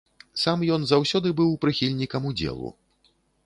Сам ён заўсёды быў прыхільнікам удзелу.